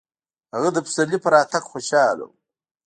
هغه د پسرلي په راتګ خوشحاله و.